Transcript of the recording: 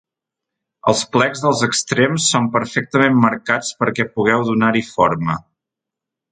Els plecs dels extrems són perfectament marcats perquè pugueu donar-hi forma.